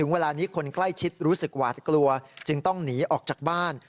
เวลานี้คนใกล้ชิดรู้สึกหวาดกลัวจึงต้องหนีออกจากบ้าน